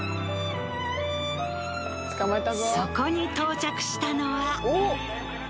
そこに到着したのは。